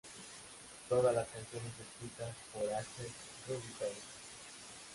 Todas las canciones escritas por Axel Rudi Pell.